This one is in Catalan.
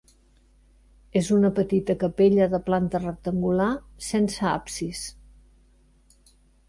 És una petita capella de planta rectangular sense absis.